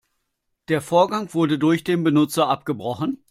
Der Vorgang wurde durch den Benutzer abgebrochen.